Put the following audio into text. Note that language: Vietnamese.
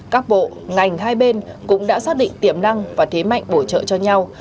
các bộ ngành hai bên cũng đã xác định tiềm năng và thế mạnh bổ trợ cho nhau